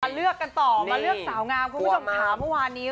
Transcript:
เลือกกันต่อมาเลือกสาวงามคุณผู้ชมขาเมื่อวานนี้